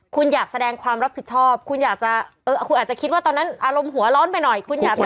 คุณอยากแสดงความรับผิดชอบคุณควรจะคิดว่าตอนนั้นอารมณ์หัวร้อนไปหน่อย